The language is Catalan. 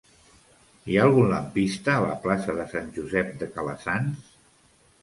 Hi ha algun lampista a la plaça de Sant Josep de Calassanç?